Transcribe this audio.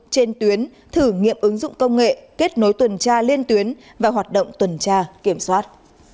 trên tuyến thử nghiệm ứng dụng công nghệ kết nối tuần tra liên tuyến và hoạt động tuần tra kiểm soát